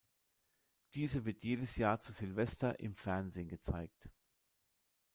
Diese wird jedes Jahr zu Silvester im Fernsehen gezeigt.